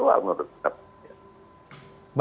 ada di mana